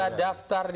yang sudah mendapatkan